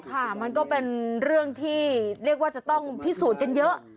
ค่ะมันก็เป็นเรื่องที่เรียกว่าจะต้องพิสูจน์กันเยอะ